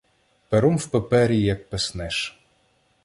Пером в папері як писнеш.